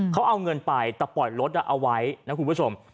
เขาเอาเงินไปแต่ปล่อยรถเอาไว้นะคุณผู้ชม